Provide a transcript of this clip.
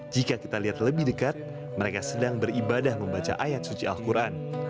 jika kita lihat lebih dekat mereka sedang beribadah membaca ayat suci al quran